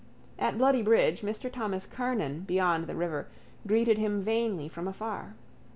At Bloody bridge Mr Thomas Kernan beyond the river greeted him vainly from afar.